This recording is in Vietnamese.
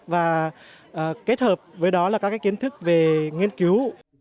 và kết hợp với đó là các kiến thức về nghiên cứu